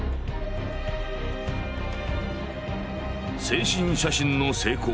「精神写真の成功。